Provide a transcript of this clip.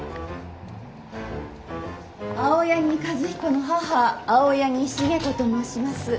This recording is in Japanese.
青柳和彦の母青柳重子と申します。